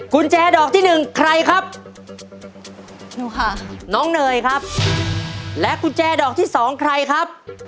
กุญแจดอกที่๑ใครครับ